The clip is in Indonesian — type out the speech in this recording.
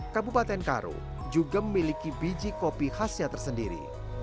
kabupaten karo juga memiliki biji kopi khasnya tersendiri